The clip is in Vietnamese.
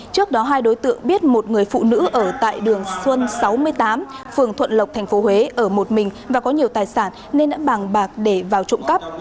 trước đó hai đối tượng biết một người phụ nữ ở tại đường xuân sáu mươi tám phường thuận lộc tp huế ở một mình và có nhiều tài sản nên đã bàn bạc để vào trộm cắp